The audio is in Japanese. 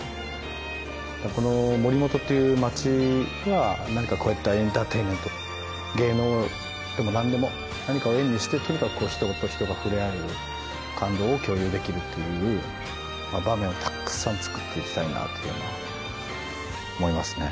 この森本というまちは何かこういったエンターテインメント芸能でもなんでも何かを縁にしてとにかく人と人が触れ合える感動を共有できるっていう場面をたくさん作っていきたいなというのは思いますね。